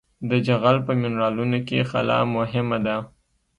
د جغل په منرالونو کې خلا مهمه ده